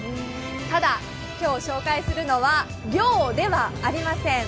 ただ、今日紹介するのは漁ではありません。